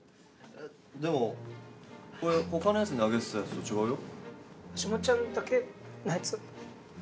でもこれ他のやつにあげてたやつと違うよ。